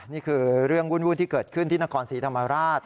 นี่คือเรื่องวุ่นที่เกิดขึ้นที่นครศรีธรรมราช